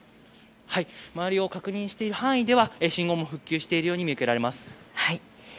周りを確認している範囲では信号も復旧しているように見受けられます。